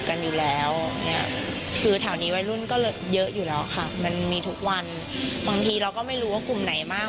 อันนี้วัยรุ่นก็เยอะอยู่แล้วค่ะมันมีทุกวันบางทีเราก็ไม่รู้ว่ากลุ่มไหนบ้าง